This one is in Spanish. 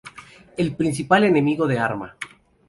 El principal enemigo de Arma.